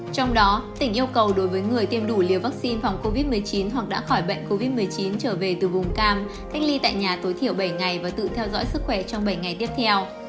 trong đó tỉnh yêu cầu đối với người tiêm đủ liều vaccine phòng covid một mươi chín hoặc đã khỏi bệnh covid một mươi chín trở về từ vùng cam cách ly tại nhà tối thiểu bảy ngày và tự theo dõi sức khỏe trong bảy ngày tiếp theo